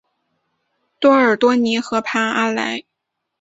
多尔多尼河畔阿莱。